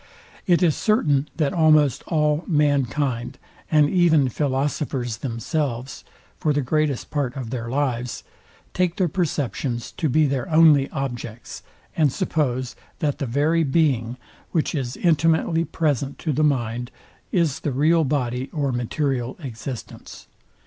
It is certain, that almost all mankind, and even philosophers themselves, for the greatest part of their lives, take their perceptions to be their only objects, and suppose, that the very being, which is intimately present to the mind, is the real body or material existence.